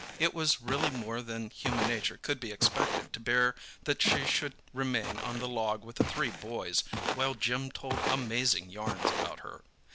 It was really more than human nature could be expected to bear that she should remain on the log with the three boys, while Jim told amazing yarns about her.